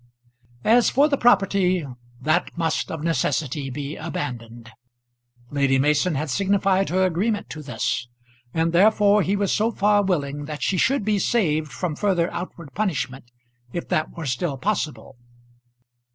As for the property, that must of necessity be abandoned. Lady Mason had signified her agreement to this; and therefore he was so far willing that she should be saved from further outward punishment, if that were still possible.